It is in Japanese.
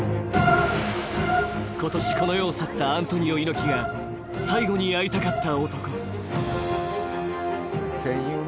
今年この世を去ったアントニオ猪木が最後に会いたかった男。